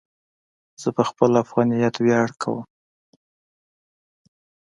زه په خپل افغانیت ویاړ کوم.